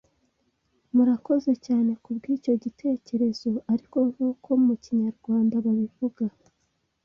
Murakoze cyane ku bw’icyo gitekerezo ariko nk’uko mu Kinyarwanda babivuga